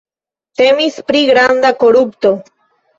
Temis pri granda korupto.